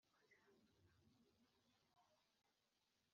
warugiriye impaka ntampuhwe cyane,